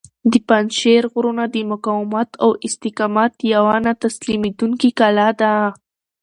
د پنجشېر غرونه د مقاومت او استقامت یوه نه تسلیمیدونکې کلا ده.